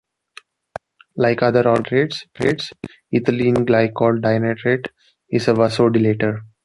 Like other organic nitrates, ethylene glycol dinitrate is a vasodilator.